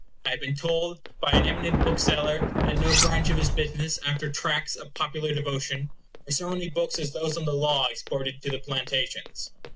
I have been told by an eminent bookseller, that in no branch of his business, after tracts of popular devotion, were so many books as those on the law exported to the Plantations.